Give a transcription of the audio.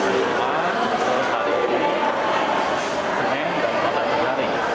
dari jumat sampai hari ini senin dan pasar jari